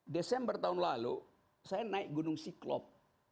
desember tahun lalu saya naik gunung siklop